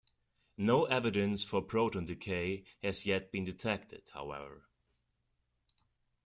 No evidence for proton decay has yet been detected, however.